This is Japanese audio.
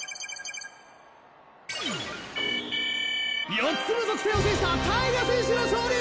４つの属性を制したタイガ選手の勝利！